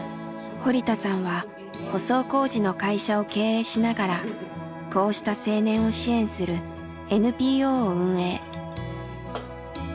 堀田さんは舗装工事の会社を経営しながらこうした青年を支援するＮＰＯを運営。